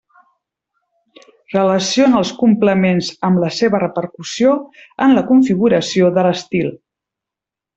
Relaciona els complements amb la seva repercussió en la configuració de l'estil.